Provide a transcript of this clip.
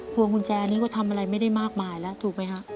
พวงกุญแจนี้ก็ทำอะไรไม่ได้มากมายแล้วถูกไหมฮะ